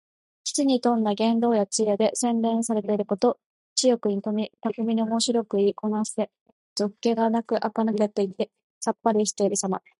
機知に富んだ言動や知恵で、洗練されていること。知力に富み、巧みにおもしろく言いこなして、俗気がなくあかぬけしていてさっぱりとしているさま。